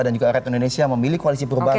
dan juga rakyat indonesia memilih koalisi perubahan